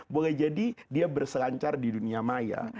boleh jadi dia berselancar di dunia maya